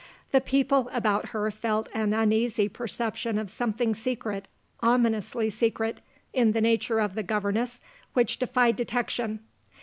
The people about her felt an uneasy perception of something secret, ominously secret, in the nature of the governess which defied detection.